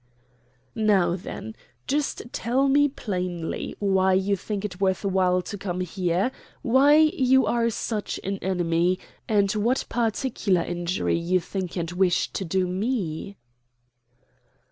"Now, then, just tell me plainly why you think it worth while to come here, why you are such an enemy, and what particular injury you think and wish to do me?"